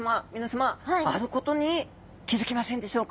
あることに気付きませんでしょうか。